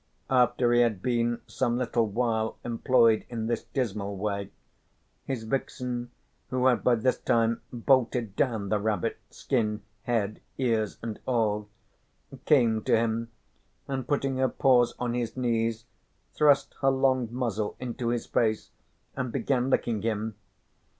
After he had been some little while employed in this dismal way, his vixen, who had by this time bolted down the rabbit skin, head, ears and all, came to him and putting her paws on his knees, thrust her long muzzle into his face and began licking him.